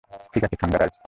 ঠিক আছে, থাঙ্গারাজ।